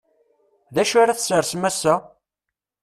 D acu ara tessersem ass-a?